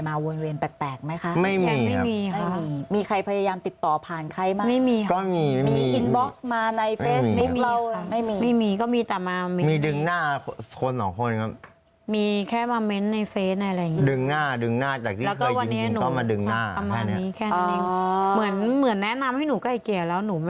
เมื่อวานที่ไปค่ะเมื่อวาน